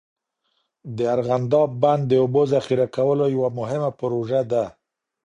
د ارغنداب بند د اوبو ذخیره کولو یوه مهمه پروژه ده.